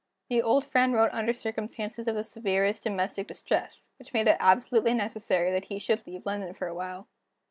This old friend wrote under circumstances of the severest domestic distress, which made it absolutely necessary that he should leave London for a while.